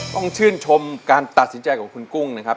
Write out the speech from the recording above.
ต้องชื่นชมการตัดสินใจของคุณกุ้งนะครับ